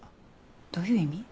どういう意味？